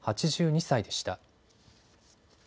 ８２歳でした。